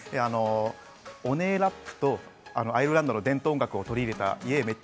オネエラップとアイルランドの伝統音楽を取り入れた『Ｙｅａｈ！